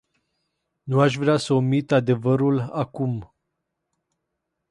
Nu aș vrea să omit adevărul acum.